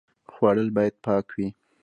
خوړل باید پاک وي